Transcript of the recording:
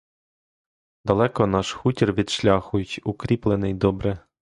Далеко наш хутір від шляху й укріплений добре.